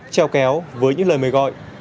treo kéo với những lời mời gọi